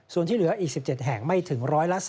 ส่วนที่เหลืออีก๑๗แห่งไม่ถึง๑๓